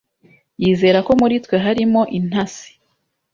Yizera ko muri twe harimo intasi.